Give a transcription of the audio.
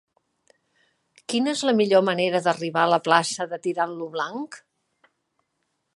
Quina és la millor manera d'arribar a la plaça de Tirant lo Blanc?